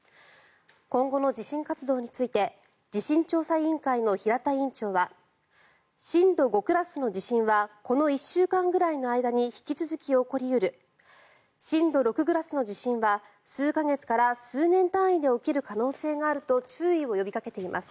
今後の地震活動について地震調査委員会の平田委員長は震度５クラスの地震はこの１週間くらいの間に引き続き起こり得る震度６クラスの地震は数か月から数年単位で起きる可能性があると注意を呼びかけています。